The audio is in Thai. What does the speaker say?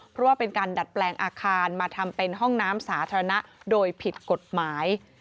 เพราะว่าเป็นการดัดแปลงอาคารมาทำเป็นห้องน้ำสาธารณะโดยผิดกฎหมาย